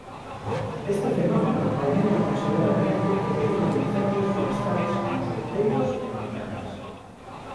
Este fenómeno aumenta considerablemente o perigo de incendios forestais nos outeiros e montañas.